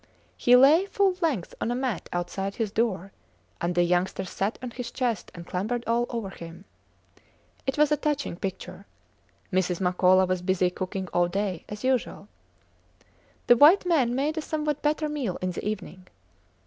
He lay full length on a mat outside his door, and the youngsters sat on his chest and clambered all over him. It was a touching picture. Mrs. Makola was busy cooking all day, as usual. The white men made a somewhat better meal in the evening.